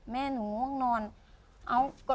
แม่หนูง่วงนอน